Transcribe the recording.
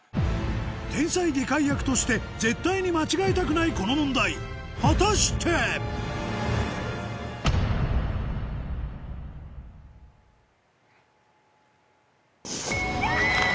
天才外科医役として絶対に間違えたくないこの問題果たしてキャ！